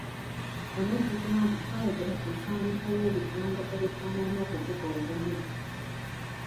Onojjukira nti twayogera ku mpandiika y'ebigambo ebifaanana okuvuga obumu.